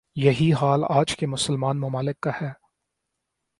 یہی حال آج کے مسلمان ممالک کا ہے ۔